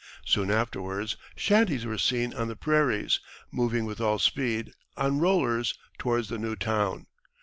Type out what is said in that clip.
Soon afterwards, shanties were seen on the prairies, moving with all speed, on rollers, towards the new town.